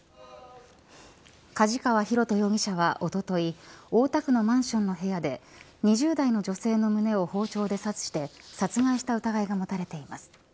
梶川寛人容疑者は、おととい大田区のマンションの部屋で２０代の女性の胸を包丁で刺して殺害した疑いが持たれています。